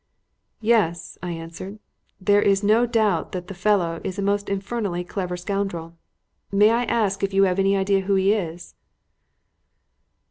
"Yes," I answered; "there is no doubt that the fellow is a most infernally clever scoundrel. May I ask if you have any idea who he is?"